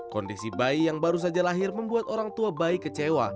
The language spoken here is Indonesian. kondisi bayi yang baru saja lahir membuat orang tua bayi kecewa